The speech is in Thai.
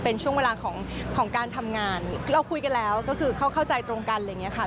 เป็นช่วงเวลาของของการทำงานเราคุยกันแล้วก็คือเขาเข้าใจตรงกันอะไรอย่างนี้ค่ะ